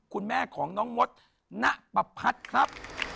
คุณแม่ของน้องมดณประพัฒน์ครับ